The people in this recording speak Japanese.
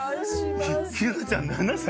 柚乃ちゃん７歳！？